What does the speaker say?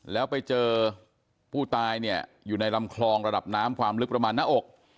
แล้วไปเจอผู้ตายเนี่ยอยู่ในลำคลองระดับน้ำความลึกประมาณหน้าอก